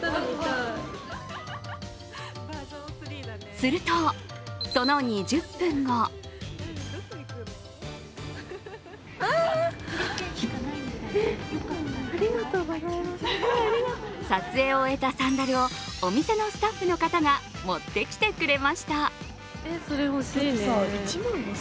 すると、その２０分後撮影を終えたサンダルをお店のスタッフの方が持ってきてくれました。